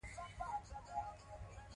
پروژه ملي ګټه ده.